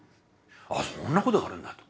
ああそんなことがあるんだと。